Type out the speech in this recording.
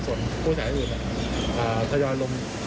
ส่วนผู้แสนอื่นถยรลมจน๖๑วันที่๒มีร่มคลบ